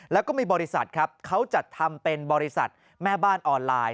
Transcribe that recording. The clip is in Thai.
แล้วก็มีบริษัทครับเขาจัดทำเป็นบริษัทแม่บ้านออนไลน์